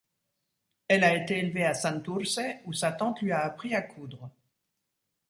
Elle a été élevée à Santurce où sa tante lui a appris à coudre.